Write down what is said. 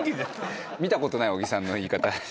見たことない小木さんの言い方。